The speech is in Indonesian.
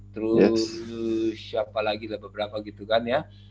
terus siapa lagi lah beberapa gitu kan ya